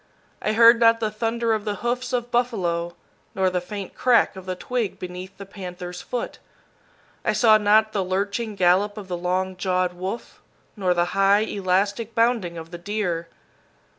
I heard not the thunder of the hoofs of buffalo, nor the faint crack of the twig beneath the panther's foot. I saw not the lurching gallop of the long jawed wolf, nor the high, elastic bounding of the deer.